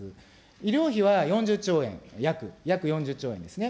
医療費は４０兆円、約、約４０兆円ですね。